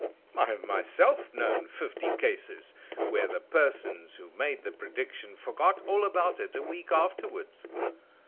I have myself known fifty cases where the persons who made the prediction forgot all about it a week after wards.